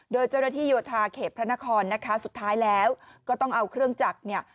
โดยเจ้าหน้าที่โยธาเขตพระนครนะคะสุดท้ายแล้วก็ต้องเอาเครื่องจักรเนี่ย